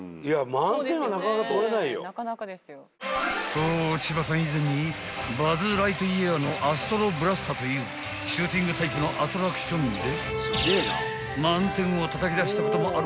［そう千葉さん以前にバズ・ライトイヤーのアストロブラスターというシューティングタイプのアトラクションで］